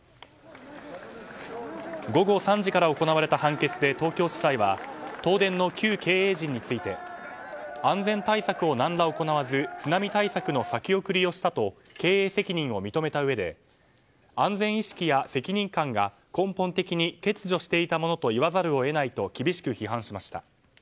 午後３時から行われた判決で東京地裁は東電の旧経営陣について安全対策を何ら行わず津波対策の先送りをしたと経営責任を認めたうえで安全意識や責任感が根本的に欠如していたものと言わざるを得ないと厳しく批判しました。